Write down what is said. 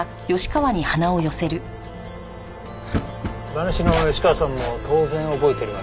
馬主の吉川さんも当然覚えてるわけですね。